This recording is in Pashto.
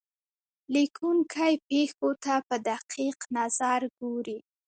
لیکونکی پېښو ته په دقیق نظر ګوري.